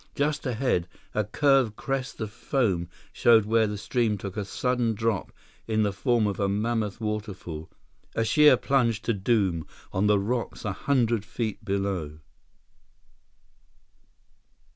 Just ahead, a curved crest of foam showed where the stream took a sudden drop in the form of a mammoth waterfall—a sheer plunge to doom on the rocks a hundred feet below!